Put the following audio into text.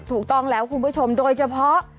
ถูกต้องแล้วคุณผู้ชมโดยเฉพาะ